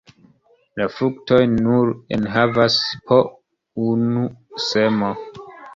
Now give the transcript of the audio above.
La fruktoj nur enhavas po unu semo.